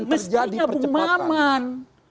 mestinya bung maman